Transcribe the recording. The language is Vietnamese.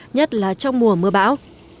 nhất là trong mùa mưa bão